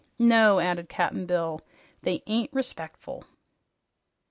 "No," added Cap'n Bill, "they ain't respec'ful."